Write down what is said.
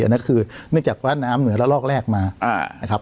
นั่นคือเนื่องจากว่าน้ำเหนือละลอกแรกมานะครับ